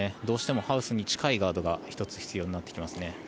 どうしてもハウスに近いガードが１つ必要になってきますね。